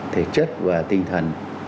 thể chất và tinh thần